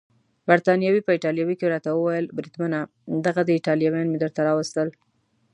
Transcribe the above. بریتانوي په ایټالوي کې راته وویل: بریدمنه دغه دي ایټالویان مې درته راوستل.